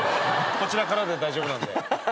こちらからで大丈夫なんで。